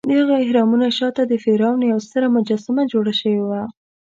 دهغه اهرامونو شاته د فرعون یوه ستره مجسمه جوړه شوې وه.